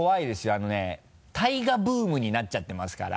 あのねＴＡＩＧＡブームになっちゃってますから。